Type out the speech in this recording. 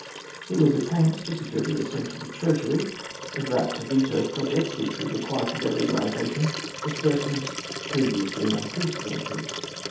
He was at pains to secure the assent of the Treasury, ever apt to veto projects which would require for their realisation disburse ments previously unprecedented.